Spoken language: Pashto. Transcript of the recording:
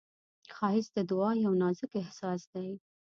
ښایست د دعا یو نازک احساس دی